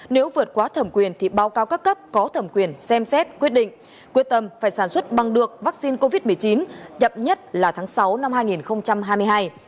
nếu vượt quá thẩm quyền thì báo cáo các cấp có thẩm quyền xem xét quyết định quyết tâm phải sản xuất bằng được vaccine covid một mươi chín chậm nhất là tháng sáu năm hai nghìn hai mươi hai